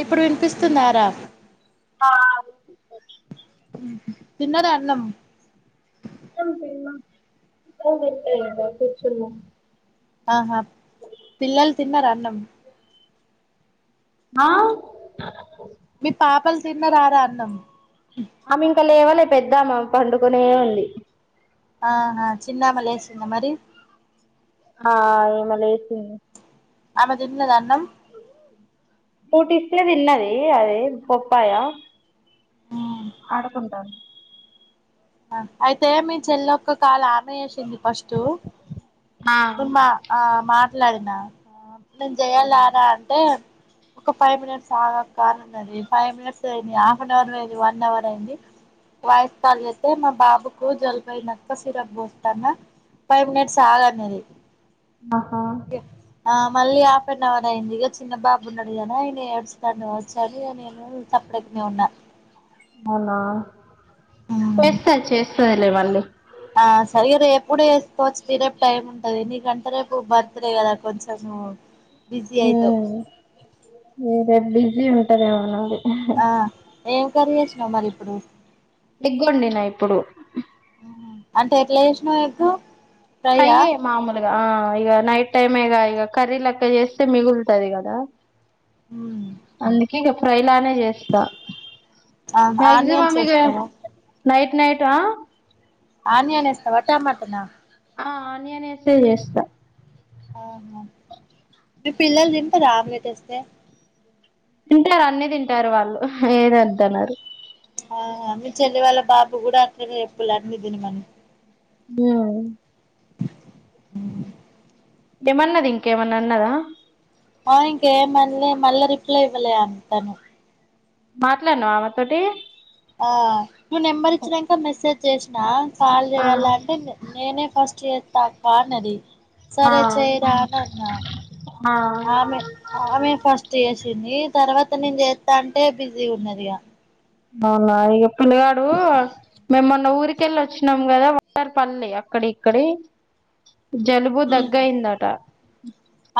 ఇప్పుడు వినిపిస్తుందా రా ఆ వినిపిస్తుంది తిన్నారా అన్నం అన్నం తిన్నాం కూర్చున్నాం ఆహా పిల్లలు తిన్నారా అన్నం ఆ మీ పాపలు తిన్నారా రా అన్నం ఆమె ఇంకా లేవలే పెద్దామా పండుకొనే ఉంది ఆహా చిన్నామా లేచిందా మరి హా ఇమా లేచింది ఆమె తిన్లేదా అన్నం ఫ్రూట్ ఇస్తే తిన్నది అది పప్పాయ ఆడుకుంటానఉంది అయితే మీ చెల్లోక్క కాల ఆపేసింది ఫస్టు ఆ ఇప్పుడు మా ఆ మాట్లాడినా నేను అవునా చెయ్యల్లరా అంటే ఒక ఫైవ్ మినిట్స్ ఆగక్క అనన్నది ఫైవ్ మినిట్స్ అయింది హాఫ్ అన్ అవర్ అది వన్ అవర్ అయింది వాయిస్ కాల్ చేస్తే మా బాబుకు జలుబయింది అక్క సిరప్ పోస్తాన్న ఫైవ్ మినిట్స్ ఆగన్నది ఆహా ఆ మళ్ళీ హాఫ్ అన్ అవర్ అయింది ఇక చిన్న బాబు ఉన్నాడు కదా ఆయన ఏడుస్తన్నడేమో సర్లే నేను ఉన్నా అవునా చేస్తాది చేస్తదిలే మళ్ళీ ఆ సరిగా రేపూ వేసుకోవచ్చు రేపు టైం ఉంటది నీకంటే రేపు బర్త్ డే కదా కొంచెం బిజీ అయితావ్ ఏ రేపు బిజీ ఉంటదేమో నాది ఆ ఏం కర్రీ చేసినావు మరి ఇప్పుడు ఎగ్ వండిన ఇప్పుడు అంటే ఎట్లా చేసినవు చెప్పు ఫ్రై యే మామూలే ఆ ఇక నైట్ టైమ్ ఇక ఇక కర్రీ లెక్క చేస్తే మిగుల్తది కదా అందుకే ఇక ఫ్రై లానే చేస్తా మాక్సిమం ఆనియన్స్ ఇక వేస్తావా నైట్ నైట్ ఆనియన్ వేస్తావా టమాటానా ఆ ఆనియన్ వేసి చేస్తా ఆహా మీ పిల్లలు తింటరా ఆమ్లెట్ వేస్తే తింటారు అన్ని తింటారు వాళ్ళు ఏది వద్దనరు ఆహా మీ చెల్లి వాళ్ళ బాబు కూడా అక్కడే చెప్పు అన్ని తినమని ఉమ్ హ్మ్ ఏమన్నాది ఇంకా ఏమన్నా అన్నదా ఆ ఇంకేం అనలే మళ్ళ రిప్లై ఇవ్వలే తను మాట్లాడినావా ఆమె తోటి ఆ నంబర్ ఈచినక మసాజ్ చేసిన కాల్ ఆ చేయాల అంటే నేనే ఫస్ చేస్తా అక్క అన్నది ఆ సరే చేరానా అన్నా అమే ఆమే ఫస్ట్ చేసింది తర్వాత నేను చేస్తా అంటే బిజీ ఉన్నదిగా అవునా ఇక పిల్లిగాడు మేమ్మొన్న ఊరికెళ్ళి వచ్చినాము కదా వాంటర్ పడలే అక్కడి ఇక్కడి జలుబు ఉమ్ దగ్గ అయిందట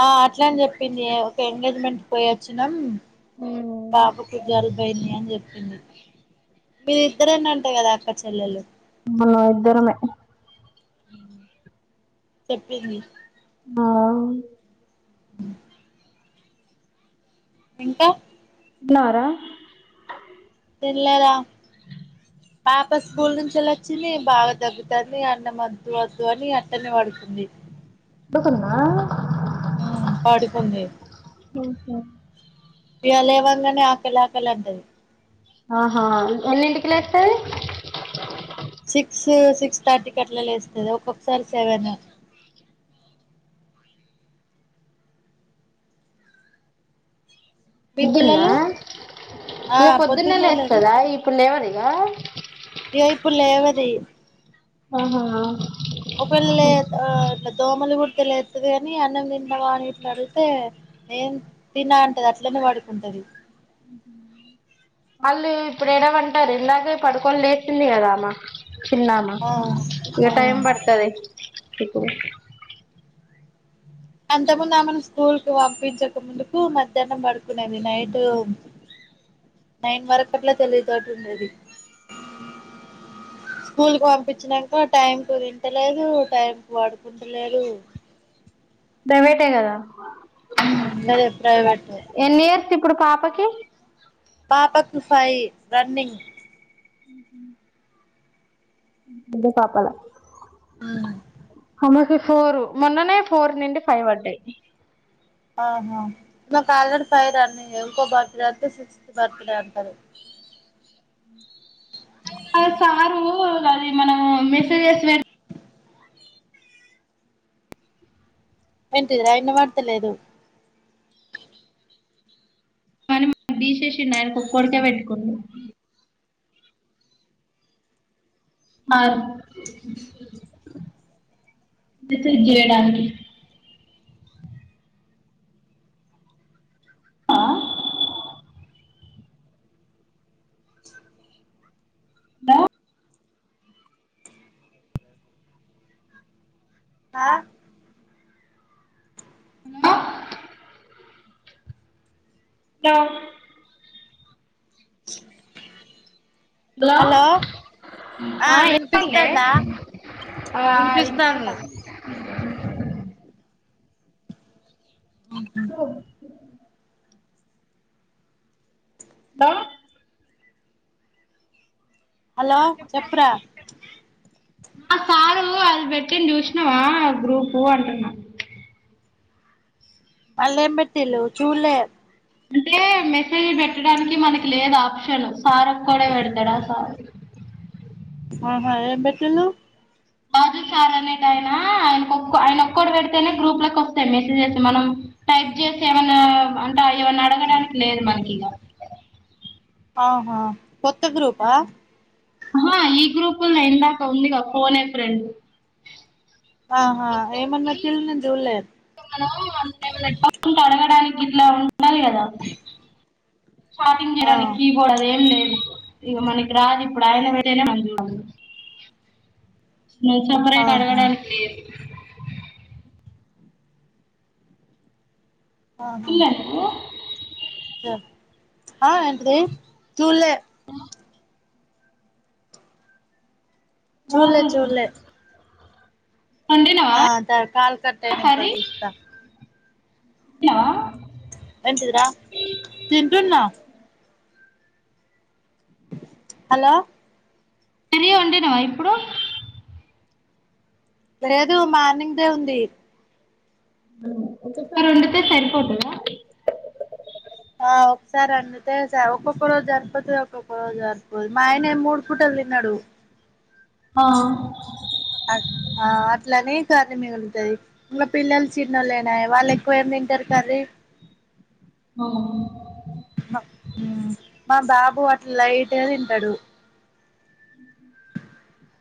ఆ అట్లనే చెప్పింది ఒక ఎంగేజ్మెంట్ పోయొచ్చినం ఉ బాబు కి జలుబు అయింది అని చెప్ మీరు ఇద్దరన్న అంటాయి కదా అక్క చెల్లెలు అవును ఇద్దరమే చెప్పంది ఆ అ ఇంకా తిన్నారా తిల్లరా పాప స్కూల్ నుంచి వెళ్ళి వచ్చింది బాగా తగ్గుతుంది అన్నం వద్దు వద్దు అని అంటని పడుకుంది పడుకుందా ఉమ్ పడుకుంది మ్మ్ హ్మ్ ఇ్యలవంగానే ఆకలి ఆకలి అంటది ఆహా ఎన్ని ఇంటికి లేస్తాది సిక్స్ సిక్స్ థర్టీ కి అట్లా లేస్తుది ఒక్కొక్కసారి సెవెన్ అ మీ పొద్దున్న పిల్లలు ఆ ఇక పొద్దున్నే లే లేస్తుందా ఇప్పుడు లేవదు ఇక ఏయిపుల్ల లేవది ఆ ఒకేళ దోమలు గు లేస్తుది కాని అన్నం తిన్నావా అని ఇట్లా అడితే ఏం తిన్నా అంటది అట్లనే పడుకుంటది వాళ్ళు ఇప్పుడు ఎడవంటారు ఇందలాగే పడుకోని లేచంది కదా అమ్మ తన్నామా ఆ ఇక టైం ఆ పడుతది ఇప్పుడు అంత ముందు ఆమెను స్కూల్ కి పంపించక ముందుకు మధ్యాహ్నం పడుకునేది నైట్ నైన్ వరకుట్లా తెలివితోట ఉంది హ స్కూల్ కు పంపించినాక టైం కు తింటలేదు టైం కు పడుకుంటలేదు అ దయేటే కదా అది అభిప్రాయ పట ఎన్ని ఇయర్స్ ఇప్పుడు పాపకి పాప కుఫయి రన్నింగ్ హ అంటే పాపాల ఆ అ ఫోర్ మొన్ననే ఫోర్ నుండి ఫైవ్ అడ్డాయి ఆహా మాకు ఆల్రెడ ఫైర్ అన్ని ఇకో బర్త్ డే అంతే సిక్స్త్ బర్త్ డే అంటది అ అద సారు అది మనము మెసజస్ ఏంటిది ఆయన వాడతలేదు దీశేషీ నయరుకుప్పడుక పెట్టుకున్నా ఆ మెసేజ్ చేయడానికి ఆ ద ఆ హలో హలో హలో ఆ ఏం అయిదే ఆ ఆ వినిపిస్తాంది ఇన్పడ్తాంది దా అలో చెప్పురా ఆ సారూ అది బెట్టిండ్ జూష్నవా గ్రూపూ అంటున్నా అల్లేం బెట్టిల్లు చూల్లే అంటే మెసేజ్ పెట్టడానికి మనకి లేదు ఆప్షన్ సారొక్కడే పెడతడా సారు ఆహా ఏం బెట్టిల్లూ బాబ్జీ సారానేటాయనా ఆయన కొక్క ఆయనొక్కడు పెడితేనే గ్రూప్లకొస్తయ్ మెసేజెస్ మనం టైప్ జేసెమన్నా అంటా ఏమన్నడగడానికి లేదు మనకిగా ఆహా కొత్త గ్రూపా ఆహా ఈ గ్రూపుల్నే ఇందాక ఉందిగా ఫనే ఫ్రెండ్ ఆహా ఏమన్ బెట్టిల్ నేన్ జూల్లే మనమూ ఏమన్న డౌట్లుంటె అడగడానిక్గిట్లా ఉండాలి గదా షాపింగ్ ఆ జేయడానికీబోర్డ్ అదేం లేదు ఇగ మనకి రాదిప్పుడు ఆయన పెడేనే మనం జూడాలి మనం సపరేట్ ఆహా అడగడానికి లేదు ఆహా లేదు ద ఆ ఏంటిదీ చూల్లే పిల్లలు తర్వాత చూల్లే చూల్లే వండినవా ఆ సరె కాల్ కట్టైనంక జూస్త తిన్నవా ఏంటిదిరా తింటున్నా హలో తినీ వండినవా ఇప్పుడూ లేదూ మార్నింగ్దే ఉంది ఒక్కసారొండుతే సరిపోతదా ఆ ఒక్సారొండుతే స ఒక్కొక్క రోజు జరిపోతది ఒక్కొక్క రోజు జరిపోదు మా ఆయనె మూడు పుటలు తిన్నడూ అట్ ఆ అట్లని కర్రీ మిగులుతది ఇగ పిల్లలు చిన్నోళ్లేనాయే వాళ్లెక్కువ ఏం దింటరు కర్రీ [inaudible] మ మా బాబు అట్ల లైట్ గ తింటడు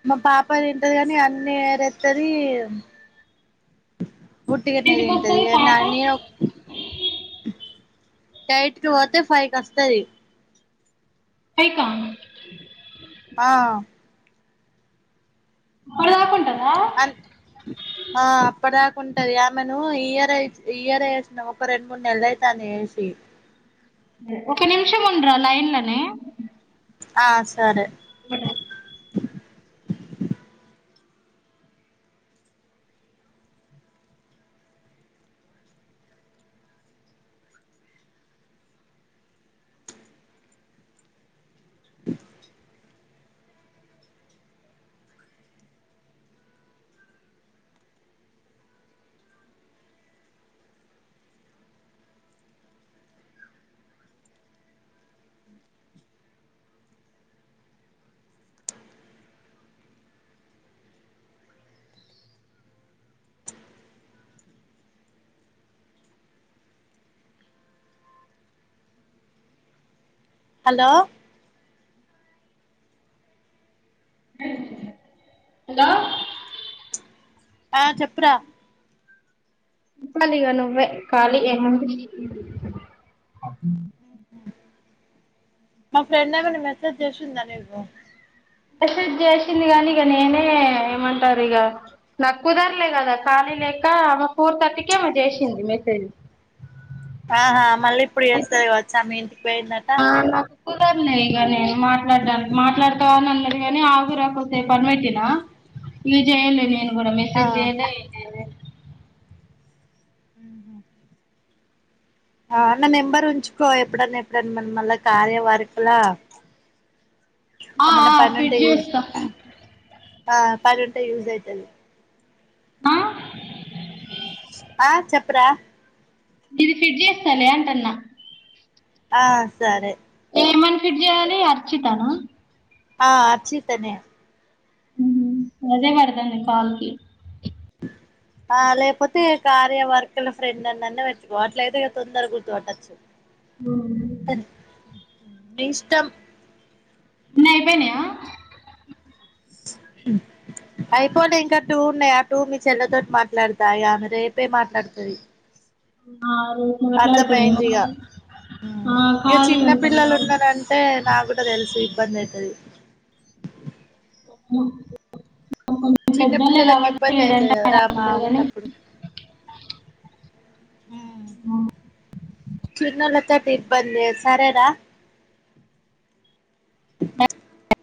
మా పాప తింటది గని అన్నీ ఏరేత్తదీ వుట్టిగనే ఇంటికి తింటది వస్తుంది ఇగ నా పాట నేను టైట్కి పోతే ఫై కస్తది ఫై కా ఆ ఇప్పుడు దాకా ఉంటుందా అన్ ఆ అప్పుడ్ దా ఉంటది ఆమెనూ ఈ ఇయరే ఇయరే ఏసినం ఒక్క రెండ్ మూడ్ నెల అయితాంది ఏసి ఒక నిమిషం ఉండురా లైన్లనే ఆ సరె [unintelligible] హలో హలో ఆ చెప్పురా చెప్పాలిగ నువ్వే ఖాళి ఏముంది మా ఫ్రెండ్ ఏమన్న మెసేజ్ జేషిందా నీకు మేసేజ్ జీషింది గనిగ నేనే ఏమంటరిగా నాక్కుదర్లే గదా ఖాళీ లేకా ఆమె ఫోర్ థర్టీకేమో జేషింది మెసేజ్ ఆహా మళ్ళిప్పుడు అయితే జేస్తది గవచ్చు ఆమె ఇంటికి పోయిందట కుదర్లేదు ఇగ నేను మాట్లాడానికి మాట్లాడుతావా గానే ఆవి రాకతే పర్మటినా [unintelligible] నేను ఆ మెసజ్ ఆహ ఆ న ఎంబరు ఉంచుకో ఎప్పుడన్నా ఎప్పుడడి మన మళ్ళా కార్యవర్కులా [unintelligible] ఆ ఏమన్నా ఆ పని ఫిట్ ఉంటాడు యూస్ చేస్తా ఆ పని ఉంటె యూస్ అవుతాధి ఆ అప్పురా ఇది ఫిడ్ చేస్తాను అంటన్నా ఆ సరే లేమన్ ఫిడ్ చేయ్యాలి అర్చితనా ఆ అచితనేే అదే పడదాం కాల్కి [unintelligible] ఆ లేకపోతే కార్యవర్కల ఫ్రెండ్ అన్నన్న పెట్టుకో అట్ల అయితే తొందర గుర్తుోట్టచ్చు ఆ ఇష్టం అన్ని అయ్‌పోయినాయ [unintelligible] అయిపోలే ఇంకా టూ ఉన్నాయి ఆ టూ మీ చెల్లతోటి మాట్లాడతాయి ఆమె రేపే మాట్లాడుతుది ఆ ఇగ [unintelligible] ఇక ఖాళీ చిన్న ఉంటుంది పిల్లలు మేడం ఉన్నారంటే నాకు కూడా తెలుసు ఇబ్బంది అవుతుది ఉ చిన్న పెడ్డోలీ పిల్లలకి గబట్ ఇబ్బంది ఏంట అయితది కదరా మా ఉన్నప్పుడు ఆ చిన్నోలతోని ఇబ్బంది సరే రా బ [unintelligible]